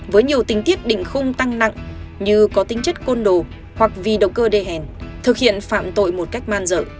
với nhiều tính tiết đỉnh khung tăng nặng như có tính chất côn đồ hoặc vì động cơ đề hèn thực hiện phạm tội một cách man rợ